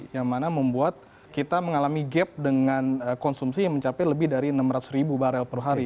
yang mana membuat kita mengalami gap dengan konsumsi yang mencapai lebih dari enam ratus ribu barel per hari